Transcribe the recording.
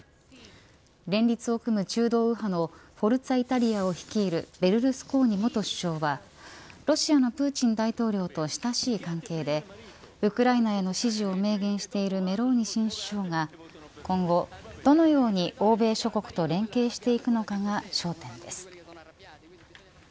連立を組む中道右派のフォルツァ・イタリアを率いるベルルスコーニ元首相はロシアのプーチン大統領と親しい関係でウクライナへの支持を明言しているメローニ首相が今後どのように欧米諸国と連携していくのかが焦点です。